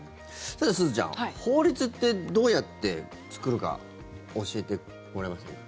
さて、すずちゃん法律ってどうやって作るか教えてもらえますか？